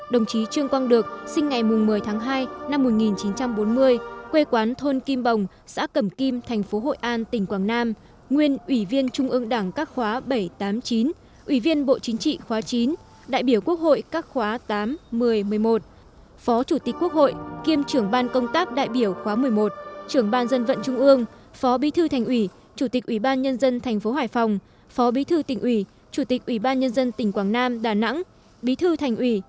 đồng chí trương quang được sinh ngày một mươi tháng hai năm một nghìn chín trăm bốn mươi quê quán thôn kim bồng xã cầm kim thành phố hội an tỉnh quảng nam nguyên ủy viên trung ương đảng các khóa bảy trăm tám mươi chín ủy viên bộ chính trị khóa chín đại biểu quốc hội các khóa tám một mươi một mươi một phó chủ tịch quốc hội kiêm trưởng ban công tác đại biểu khóa một mươi một trưởng ban dân vận trung ương phó bí thư thành ủy chủ tịch ủy ban nhân dân thành phố hải phòng phó bí thư tỉnh ủy chủ tịch ủy ban nhân dân tỉnh quảng nam đà nẵng bí thư thành ủy